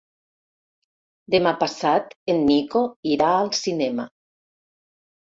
Demà passat en Nico irà al cinema.